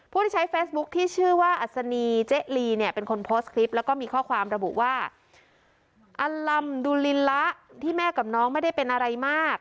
ผู้ที่ใช้เฟซบุ๊คที่ชื่อว่าอัศนีเจ๊ลีเนี่ยเป็นคนโพสต์คลิปแล้วก็มีข้อความระบุว่าอัลลำดุลินละที่แม่กับน้องไม่ได้เป็นอะไรมาก